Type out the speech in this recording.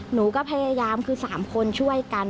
หนูก็พยายามคือ๓คนช่วยกัน